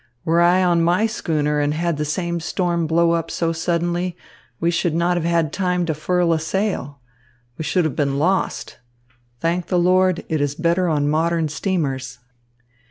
Were I on my schooner and had the same storm blown up so suddenly, we should not have had time to furl a sail. We should have been lost. Thank the Lord, it is better on modern steamers.